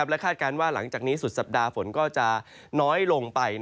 และคาดการณ์ว่าหลังจากนี้สุดสัปดาห์ฝนก็จะน้อยลงไป